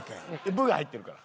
「ブ」が入ってるから。